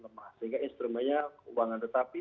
lemah sehingga instrumennya keuangan tetapi